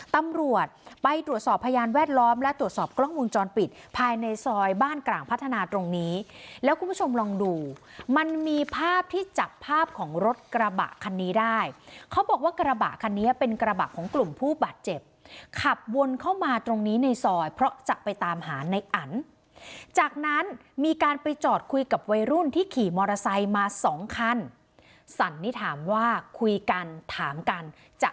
ตำรวจไปตรวจสอบพยานแวดล้อมและตรวจสอบกล้องวงจรปิดภายในซอยบ้านกลางพัฒนาตรงนี้แล้วคุณผู้ชมลองดูมันมีภาพที่จับภาพของรถกระบะคันนี้ได้เขาบอกว่ากระบะคันนี้เป็นกระบะของกลุ่มผู้บาดเจ็บขับวนเข้ามาตรงนี้ในซอยเพราะจะไปตามหาในอันจากนั้นมีการไปจอดคุยกับวัยรุ่นที่ขี่มอเตอร์ไซค์มาสองคันสันนิษฐานว่าคุยกันถามกันจะ